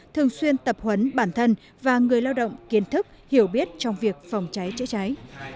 thường xuyên tập huấn bản thân và người lao động kiến thức hiểu biết trong việc phòng cháy chữa cháy